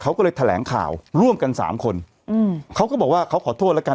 เขาก็เลยแถลงข่าวร่วมกันสามคนอืมเขาก็บอกว่าเขาขอโทษแล้วกัน